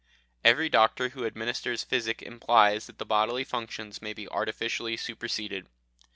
Every doctor who administers physic implies that the bodily functions may be artificially superseded.